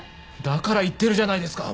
だから言ってるじゃないですか